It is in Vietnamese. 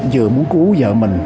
vừa muốn cứu vợ mình